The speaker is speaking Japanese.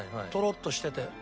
トロッとしてて。